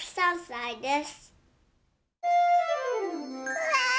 うわ！